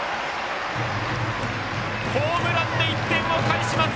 ホームランで１点を返します！